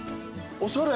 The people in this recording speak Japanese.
おしゃれ。